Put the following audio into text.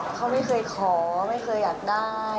เขาไม่เคยขอไม่เคยอยากได้